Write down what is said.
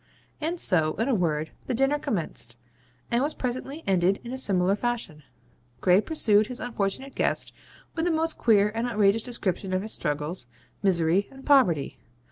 And so, in a word, the dinner commenced, and was presently ended in a similar fashion. Gray pursued his unfortunate guest with the most queer and outrageous description of his struggles, misery, and poverty.